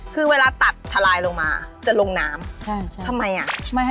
คือเวลาตัดทลายลงมาจะลงน้ำทำไมอ่ะ